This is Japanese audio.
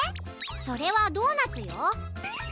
それはドーナツよ。